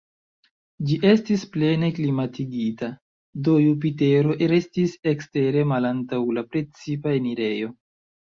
Ĝi estis plene klimatigita, do Jupitero restis ekstere malantaŭ la precipa enirejo.